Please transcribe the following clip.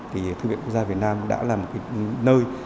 thư viện quốc gia việt nam đã là một nơi